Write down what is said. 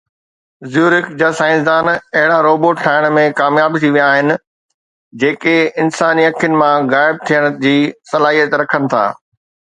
زيورخ جا سائنسدان اهڙا روبوٽ ٺاهڻ ۾ ڪامياب ٿي ويا آهن جيڪي انساني اکين مان غائب ٿيڻ جي صلاحيت رکن ٿا